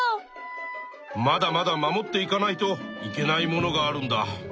まだまだ守っていかないといけないものがあるんだ。